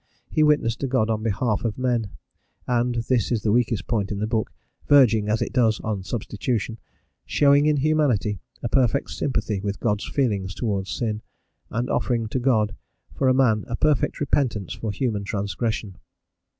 He witnessed to God on behalf of men and this is the weakest point in the book, verging, as it does, on substitution showing in humanity a perfect sympathy with God's feelings towards sin, and offering to God for man a perfect repentance for human transgression.